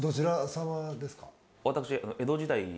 私